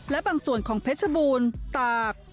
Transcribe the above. และบางส่วนของเพชรบูรณ์ตาก